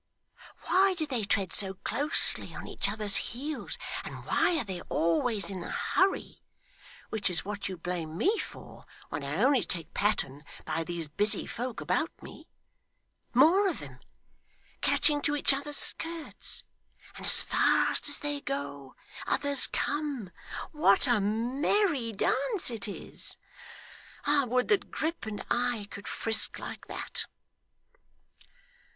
Why do they tread so closely on each other's heels, and why are they always in a hurry which is what you blame me for, when I only take pattern by these busy folk about me? More of 'em! catching to each other's skirts; and as fast as they go, others come! What a merry dance it is! I would that Grip and I could frisk like that!